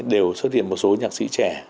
đều xuất hiện một số nhạc sĩ trẻ